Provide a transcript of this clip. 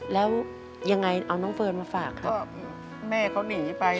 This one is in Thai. แล้วยังไงเอาน้องเฟิร์นมาฝากครับแม่เขาหนีไป